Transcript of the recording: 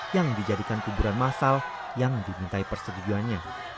yang dijadikan kuburan masal yang dimintai persetujuannya